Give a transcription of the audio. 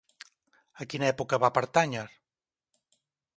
A quina època va pertànyer?